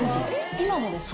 今もですか？